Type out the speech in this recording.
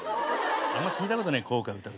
あんま聞いたことねえ校歌歌うとか。